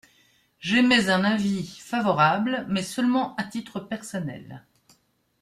J’émets un avis favorable, mais seulement à titre personnel.